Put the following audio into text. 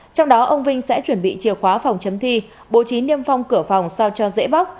trong đó ông vinh sẽ chuẩn bị chìa khóa phòng chấm thi bố trí niêm phong cửa phòng sao cho dễ bóc